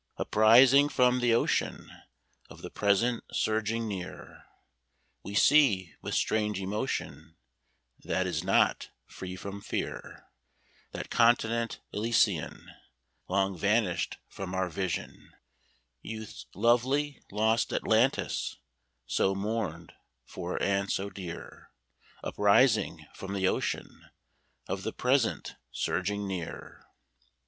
Uprising from the ocean of the present surging near, We see, with strange emotion, that is not free from fear, That continent Elysian Long vanished from our vision, Youth's lovely lost Atlantis, so mourned for and so dear, Uprising from the ocean of the present surging near.